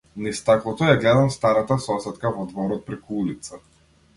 Низ стаклото ја гледам старата сосетка во дворот преку улица.